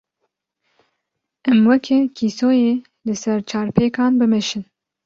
Em weke kîsoyê li ser çarpêkan, bimeşin.